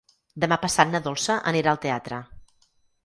Demà passat na Dolça anirà al teatre.